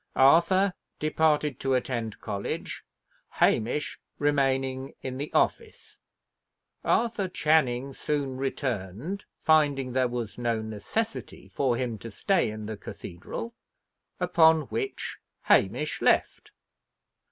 Arthur departed to attend college, Hamish remaining in the office. Arthur Channing soon returned, finding there was no necessity for him to stay in the cathedral; upon which Hamish left.